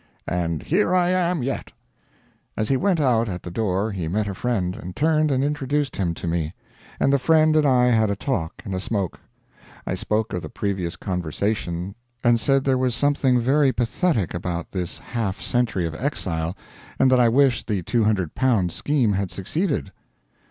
"And here I am, yet." As he went out at the door he met a friend, and turned and introduced him to me, and the friend and I had a talk and a smoke. I spoke of the previous conversation and said there was something very pathetic about this half century of exile, and that I wished the L200 scheme had succeeded.